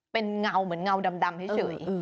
เป็นเงาเหมือนเงาดำเฉย